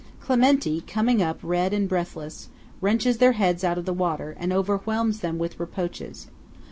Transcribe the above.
Clementi, coming up red and breathless, wrenches their heads out of the water, and overwhelms them with reproaches.